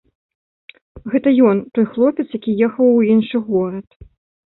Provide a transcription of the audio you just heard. Гэта ён, той хлопец, які ехаў у іншы горад.